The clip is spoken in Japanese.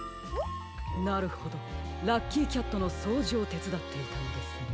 なるほどラッキーキャットのそうじをてつだっていたのですね。